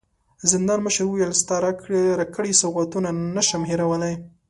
د زندان مشر وويل: ستا راکړي سوغاتونه نه شم هېرولی.